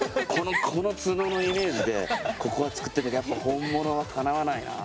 このツノのイメージでここは作ったけどやっぱ本物はかなわないなあ。